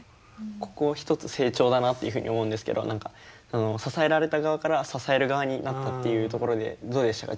ここ一つ成長だなっていうふうに思うんですけど支えられた側から支える側になったっていうところでどうでしたか？